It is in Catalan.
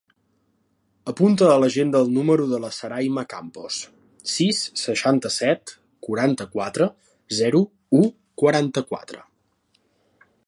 Apunta a l'agenda el número de la Sarayma Campos: sis, seixanta-set, quaranta-quatre, zero, u, quaranta-quatre.